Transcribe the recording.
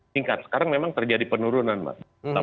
tingkat sekarang memang terjadi penurunan mbak